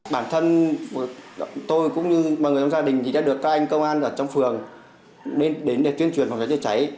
bản thân tôi cũng như mọi người trong gia đình thì đã được các anh công an ở trong phường lên đến để tuyên truyền phòng cháy chữa cháy